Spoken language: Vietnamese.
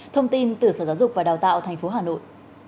thông tin từ sở giáo dục và đào tạo tp hà nội